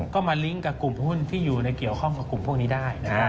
ก็มาลิงก์กับกลุ่มหุ้นที่อยู่ในเกี่ยวข้องกับกลุ่มพวกนี้ได้